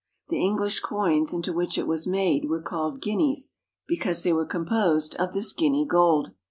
The English coins, into which it was made, were called guineas because they were 304 AFRICA composed of this Guinea gold.